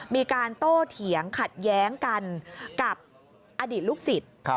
มีการโตเถียงขัดแย้งกันกับอดีตลูกศิษย์